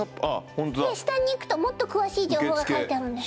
ホントだ下にいくともっと詳しい情報が書いてあるんです